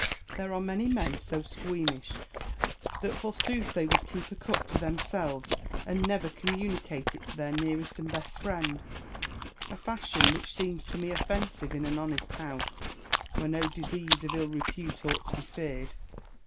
There are many men so squeamish that forsooth they w^ould keep a cup to themselves, and never communi cate it to their nearest and best friend ; a fashion which seems to me offensive in an honest house, where no disease of ill repute ought to be feared.